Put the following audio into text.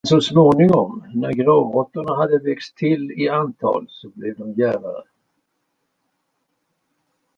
Men så småningom, när gråråttorna hade växt till i antal, blev de djärvare.